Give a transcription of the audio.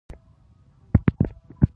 د لمانځه پر مهال موټر څخه ښکته نه شوو.